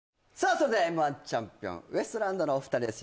それではＭ−１チャンピオンウエストランドのお二人です